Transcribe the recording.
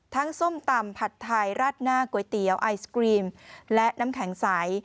ส้มตำผัดไทยราดหน้าก๋วยเตี๋ยวไอศกรีมและน้ำแข็งใส